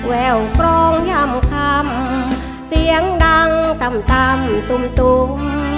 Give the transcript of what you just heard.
แววกรองย่ำคำเสียงดังต่ำตุ่ม